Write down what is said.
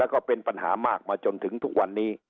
แล้วก็เป็นปัญหามากมาจนถึงทุกวันนี้